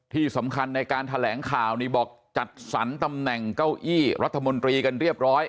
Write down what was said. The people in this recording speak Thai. ที่สำคัญในการแถลงข่าวนี่บอกจัดสรรตำแหน่งเก้าอี้รัฐมนตรีกันเรียบร้อย